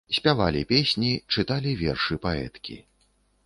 Спявалі песні, чыталі вершы паэткі.